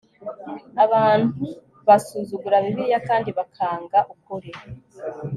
Abantu basuzugura Bibiliya kandi bakanga ukuri